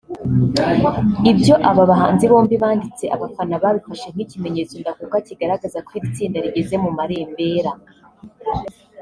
Ibyo aba bahanzi bombi banditse abafana babifashe nk’ikimenyetso ndakuka kigaragaza ko iri tsinda rigeze mu marembera